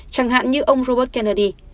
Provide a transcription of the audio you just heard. chẳng hạn như ông robert kennedy